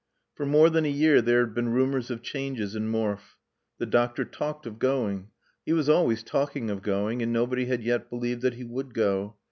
For more than a year there had been rumors of changes in Morfe. The doctor talked of going. He was always talking of going and nobody had yet believed that he would go.